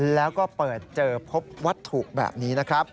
แล้วก็เปิดเจอพบวัตถุแบบนี้นะครับ